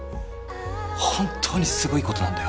本当にすごいことなんだよ